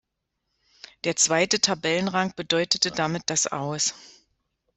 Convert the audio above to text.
Der zweite Tabellenrang bedeutete damit das Aus.